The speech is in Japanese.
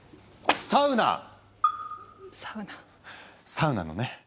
サウナのね